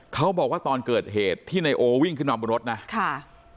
เขาบอกว่าตอนเกิดเหตุที่นายโอวิ่งขึ้นมาบนรถนะค่ะ